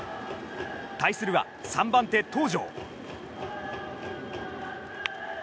対するは３番手、東條。